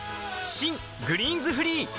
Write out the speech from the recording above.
新「グリーンズフリー」